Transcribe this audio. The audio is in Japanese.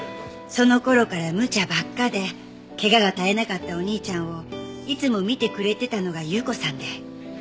その頃からむちゃばっかで怪我が絶えなかったお兄ちゃんをいつも看てくれてたのが有雨子さんで。